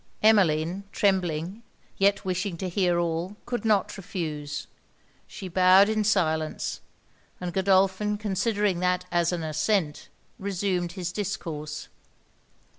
Emmeline, trembling, yet wishing to hear all, could not refuse. She bowed in silence; and Godolphin considering that as an assent, reassumed his discourse.